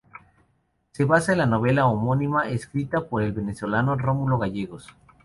Se basa en la novela homónima escrita por el venezolano Rómulo Gallegos.